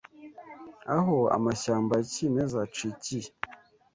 Aho amashyamba ya kimeza acikiye